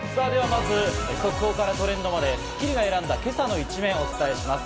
まず速報からトレンドまで『スッキリ』が選んだ今朝の一面をお伝えします。